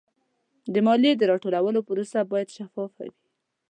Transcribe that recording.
د مالیې د راټولولو پروسه باید شفافه وي.